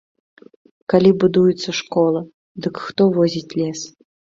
Калі будуецца школа, дык хто возіць лес?